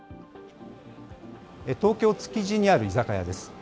東京・築地にある居酒屋です。